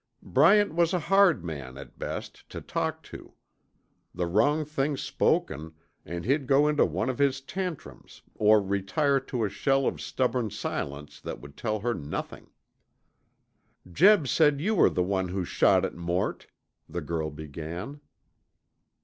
Bryant was a hard man, at best, to talk to. The wrong thing spoken, and he'd go into one of his tantrums or retire to a shell of stubborn silence that would tell her nothing. "Jeb said you were the one who shot at Mort," the girl began.